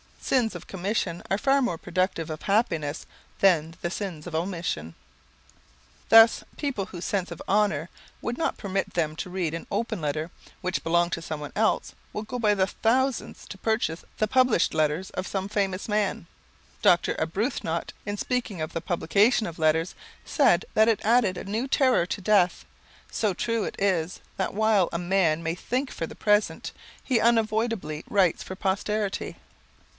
Sins of commission are far more productive of happiness than the sins of omission. [Sidenote: For Posterity] Thus people whose sense of honour would not permit them to read an open letter which belonged to someone else will go by thousands to purchase the published letters of some famous man. Dr. Arbuthnot, in speaking of the publication of letters, said that it added a new terror to death, so true it is that while a man may think for the present, he unavoidably writes for posterity.